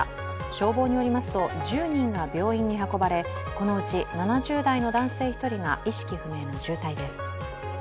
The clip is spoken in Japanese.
消防によりますと１０人が病院に運ばれこのうち７０代の男性１人が意識不明の重体です。